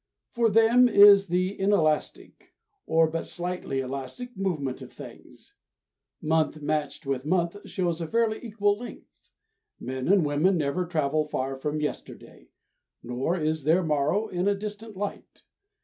For them is the inelastic, or but slightly elastic, movement of things. Month matched with month shows a fairly equal length. Men and women never travel far from yesterday; nor is their morrow in a distant light.